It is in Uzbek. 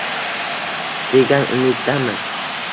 degan umiddamiz.